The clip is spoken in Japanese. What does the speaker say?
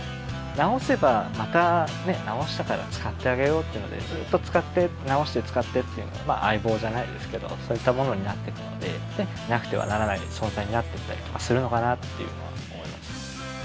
直したから使ってあげようっていうのでずっと使って直して使ってっていうのでまあ相棒じゃないですけどそういったものになってくのでなくてはならない存在になっていったりとかするのかなっていうのは思います